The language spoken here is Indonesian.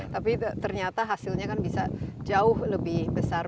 tapi ternyata hasilnya kan bisa jauh lebih besar